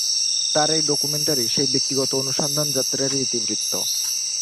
তাঁর এই ডকুমেন্টারি সেই ব্যক্তিগত অনুসন্ধানযাত্রারই ইতিবৃত্ত।